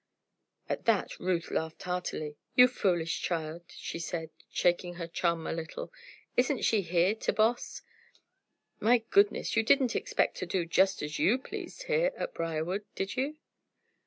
'" At that Ruth laughed heartily. "You foolish child!" she said, shaking her chum a little. "Isn't she here to 'boss'? My goodness! you didn't expect to do just as you pleased here at Briarwood; did you?"